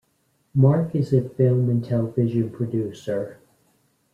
Mark is a film and television producer.